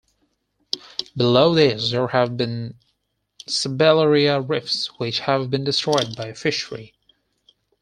Below these, there have been sabellaria reefs which have been destroyed by fishery.